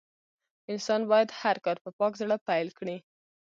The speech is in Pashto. انسان بايد هر کار په پاک زړه پيل کړي.